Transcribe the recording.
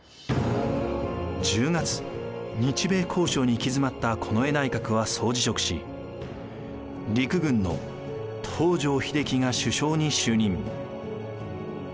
１０月日米交渉に行き詰まった近衛内閣は総辞職し陸軍の東条英機が首相に就任。